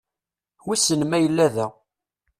Wissen ma yella da?